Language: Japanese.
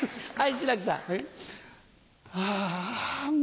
はい。